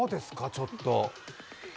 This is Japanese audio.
ちょっと。